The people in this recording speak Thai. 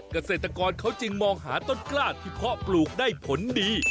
เกษตรกรเขาจึงมองหาต้นกล้าที่เพาะปลูกได้ผลดี